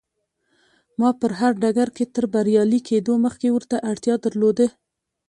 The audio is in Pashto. ما په هر ډګر کې تر بريالي کېدو مخکې ورته اړتيا درلوده.